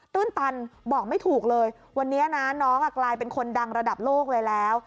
ื้นตันบอกไม่ถูกเลยวันนี้นะน้องกลายเป็นคนดังระดับโลกเลยแล้ว